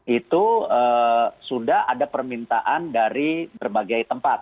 itu sudah ada permintaan dari berbagai tempat